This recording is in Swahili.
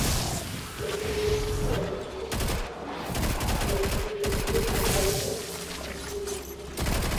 makumbusho hayo yalipandishwa hadhi na kuwa Makumbusho ya Taifa mwaka elfu mbili na kumi